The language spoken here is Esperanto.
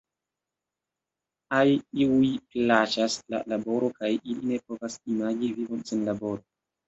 Al iuj plaĉas la laboro kaj ili ne povas imagi vivon sen laboro.